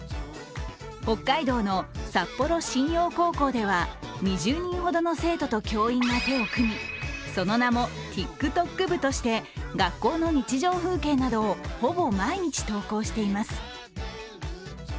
北海道の札幌新陽高校では２０人ほどの生徒と教員が手を組み、その名もＴｉｋＴｏｋＢＵとして学校の日常風景などをほぼ毎日、投稿しています。